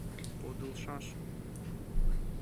— Подылшаш!